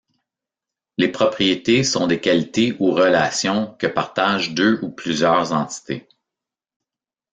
Les propriétés sont des qualités ou relations que partagent deux ou plusieurs entités.